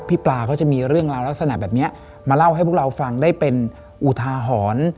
ปลาเขาจะมีเรื่องราวลักษณะแบบนี้มาเล่าให้พวกเราฟังได้เป็นอุทาหรณ์